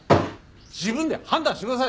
自分で判断してください！